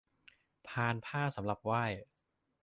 พานผ้าสำหรับไหว้